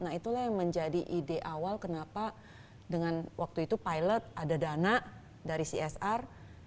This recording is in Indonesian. nah itulah yang menjadi ide awal kenapa dengan waktu itu pilot ada dana dari csr